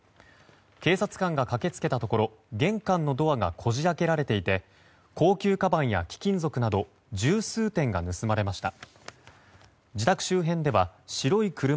警察官が駆け付けたところ玄関のドアがこじ開けられていて高級かばんや貴金属など十数点が盗まれました。